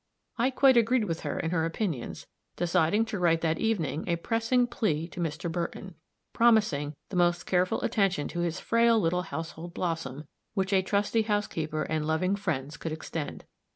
I quite agreed with her in her opinions, deciding to write that evening a pressing plea to Mr. Burton, promising the most careful attention to his frail little household blossom which a trusty housekeeper and loving friends could extend.